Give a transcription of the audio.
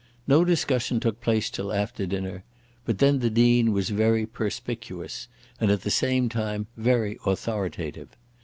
No discussion took place till after dinner, but then the Dean was very perspicuous, and at the same time very authoritative.